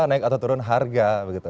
naik atau turun harga